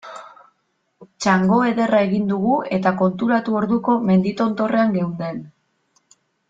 Txango ederra egin dugu eta konturatu orduko mendi tontorrean geunden.